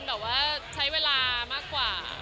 แบบว่าใช้เวลามากกว่า